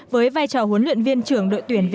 với vai trò huấn luyện viên trưởng